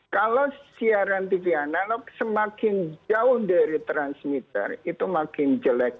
kalau siaran tv analog semakin jauh dari transmitter itu makin jelek